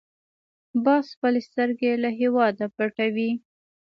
باز خپلې سترګې له هېواده پټوي